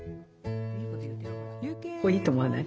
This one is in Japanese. これいいと思わない？